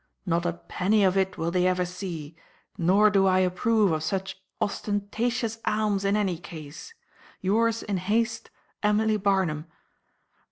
Not a penny of it will they ever see; nor do I approve of such ostentatious alms in any case.—Yours in haste, EMILY BARNUM.